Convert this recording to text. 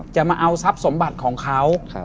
มาเอาทรัพย์สมบัติของเขา